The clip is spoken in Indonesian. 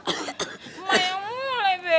emang yang mulai deh